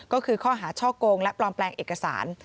ก็คือข้อหาช่อกงและปลอมแปลงเอกสาร